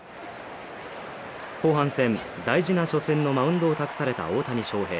後半戦、大事な初戦のマウンドを託された大谷翔平。